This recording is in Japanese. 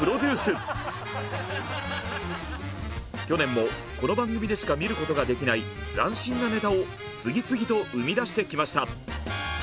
去年もこの番組でしか見ることができない斬新なネタを次々と生み出してきました。